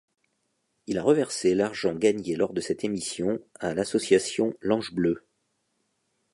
Il a reversé l'argent gagné lors de cette émission à l'association L'Ange bleu.